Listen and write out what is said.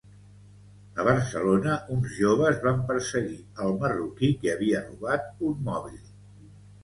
A Barcelona, uns joves van perseguir el marroquí que havia robat un mòbil